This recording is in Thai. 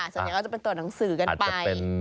สักอย่างก็จะเป็นตัวหนังสือกันไป